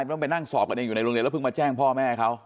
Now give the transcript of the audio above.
ต้องไปนั่งสอบกันเองอยู่ในโรงเรียนแล้วเพิ่งมาแจ้งพ่อแม่เขา